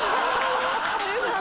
有吉さん